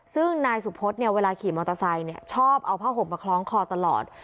ซึ่งนายสุพธเนี่ยเวลาขี่มอเตอร์ไซค์ชอบเอาผ้าห่มมาคล้องคอตลอด